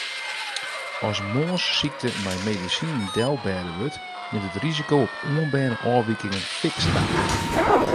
As moarnssykte mei medisinen delbêde wurdt, nimt it risiko op oanberne ôfwikingen fiks ta.